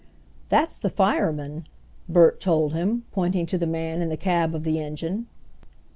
"That's the fireman," Bert told him, pointing to the man in the cab of the engine.